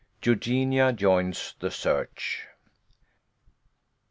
EUGENIA JOINS THE SEARCH.